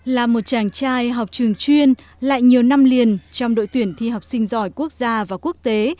là một chàng trai học trường chuyên lại nhiều năm liền trong đội tuyển thi học sinh giỏi quốc gia và quốc tế